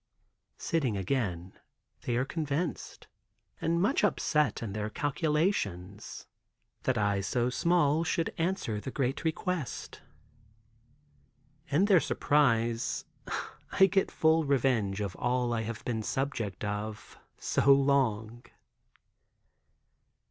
Sitting again, they are convinced, and much upset in their calculations, that I so small should answer the great request. In their surprise I get full revenge of all I have been subject of so long.